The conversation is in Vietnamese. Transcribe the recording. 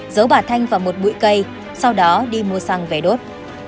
giấu bà thanh vào một bụi cây sau đó đi mua xăng về đốt